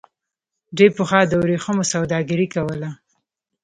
دوی پخوا د ورېښمو سوداګري کوله.